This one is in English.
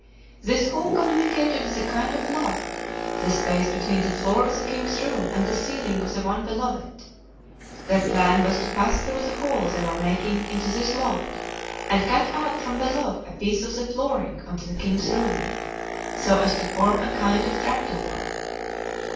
This hole communicated with a kind of loft—the space between the floor of the king's room and the ceiling of the one below it. Their plan was to pass through the hole they were making into this loft and cut out from below a piece of the flooring of the king's room, so as to form a kind of trap door.